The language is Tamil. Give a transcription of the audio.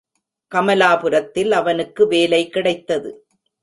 கமலாபுரத்தில் அவனுக்கு வேலை கிடைத்தது.